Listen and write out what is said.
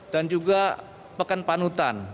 dan juga pekan panutan